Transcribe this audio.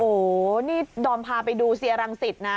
โหนี่ดอมพาไปดูเซียรังสิทธิ์นะ